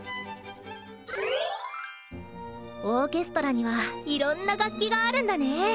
オーケストラにはいろんな楽器があるんだね。